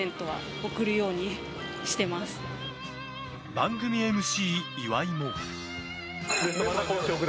番組ＭＣ、岩井も。